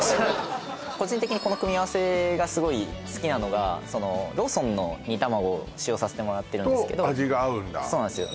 個人的にこの組み合わせがすごい好きなのがローソンの煮たまごを使用させてもらってるんですけどと味が合うんだそうなんですよ